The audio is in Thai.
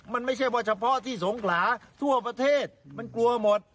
มันไม่ใช่ว่าเฉพาะที่สงขลาทั่วประเทศมันกลัวหมด